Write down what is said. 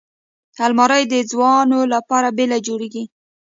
الماري د ځوانو لپاره بېله جوړیږي